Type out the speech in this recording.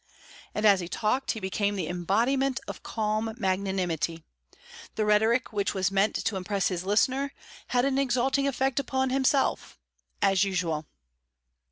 And as he talked, he became the embodiment of calm magnanimity; the rhetoric which was meant to impress his listener had an exalting effect upon himself as usual.